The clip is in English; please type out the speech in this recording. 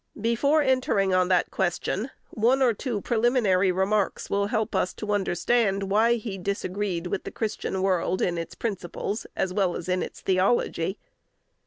Before entering on that question, one or two preliminary remarks will help us to understand why he disagreed with the Christian world in its principles, as well as in its theology.